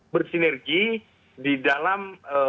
bersinergi di dalam